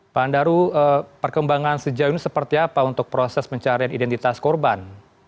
pak handaru perkembangan sejauh ini seperti apa untuk proses pencarian identitas korban